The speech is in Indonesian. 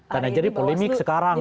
dan jadi polemik sekarang